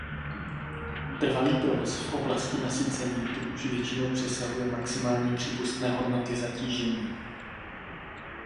Trvalý provoz v oblasti nasycení tu už většinou přesahuje maximální přípustné hodnoty zatížení.